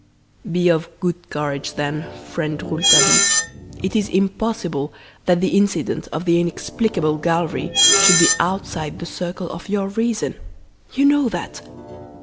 "Be of good courage, then, friend Rouletabille; it is impossible that the incident of the inexplicable gallery should be outside the circle of your reason. You know that!